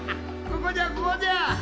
ここじゃここじゃ！